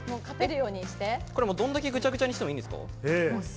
どんだけぐちゃぐちゃにしてもいいんですよね？